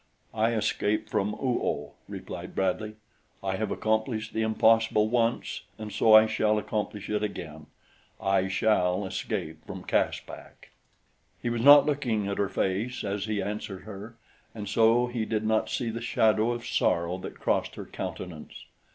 "I escaped from Oo oh," replied Bradley. "I have accomplished the impossible once, and so I shall accomplish it again I shall escape from Caspak." He was not looking at her face as he answered her, and so he did not see the shadow of sorrow that crossed her countenance.